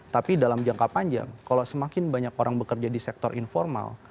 tapi dalam jangka panjang kalau semakin banyak orang bekerja di sektor informal